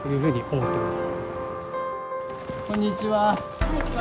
・はいこんにちは。